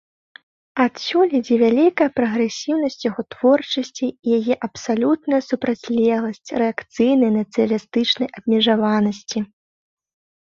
Адсюль ідзе вялікая прагрэсіўнасць яго творчасці і яе абсалютная супрацьлегласць рэакцыйнай нацыяналістычнай абмежаванасці.